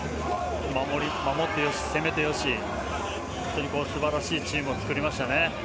守ってよし、攻めてよしのすばらしいチームを作りました。